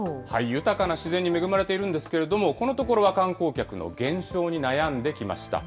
豊かな自然に恵まれているんですけれども、このところは観光客の減少に悩んできました。